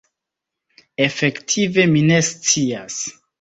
Efektive mi ne scias.